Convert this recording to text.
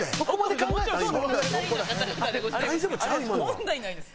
問題ないです。